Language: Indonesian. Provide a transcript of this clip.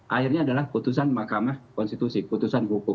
akhirnya adalah putusan mahkamah konstitusi putusan hukum